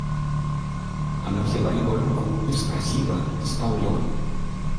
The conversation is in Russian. Она взяла его руку и спросила, спал ли он.